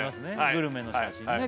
グルメの写真ね